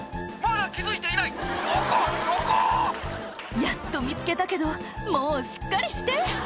・やっと見つけたけどもうしっかりして！